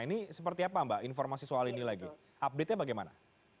ini seperti apa mbak informasi soal ini lagi update nya bagaimana